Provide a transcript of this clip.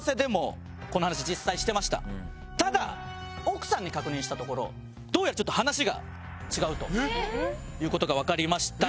ただ奥さんに確認したところどうやらちょっと話が違うという事がわかりました。